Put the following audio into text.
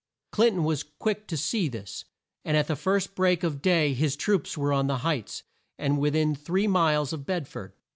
Clin ton was quick to see this, and at the first break of day his troops were on the Heights, and with in three miles of Bed ford.